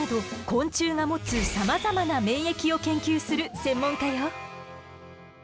昆虫が持つさまざまな免疫を研究する専門家よ。